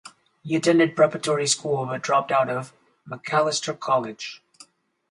He attended preparatory school but dropped out of Macalester College.